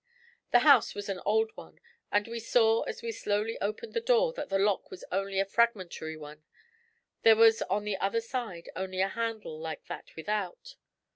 The house was an old one, and we saw as we slowly opened the door that the lock was only a fragmentary one; there was on the other side only a handle like that without.